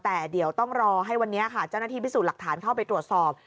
แต่เดี๋ยวต้องรอให้วันนี้ค่ะเจ้าหน้าที่พิสูจน์หลักฐานเข้าไปตรวจสอบ